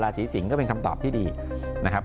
สีสิงศ์ก็เป็นคำตอบที่ดีนะครับ